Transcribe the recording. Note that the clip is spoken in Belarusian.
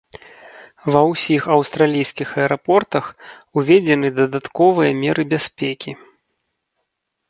Ва ўсіх аўстралійскіх аэрапортах уведзены дадатковыя меры бяспекі.